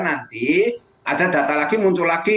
nanti ada data lagi muncul lagi